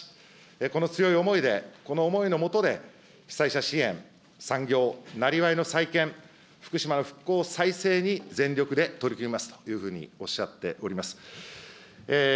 この強い思いで、この思いのもとで、被災者支援、産業、生業の再建、福島の復興再生に全力で取り組みますというふうにおっしゃっております。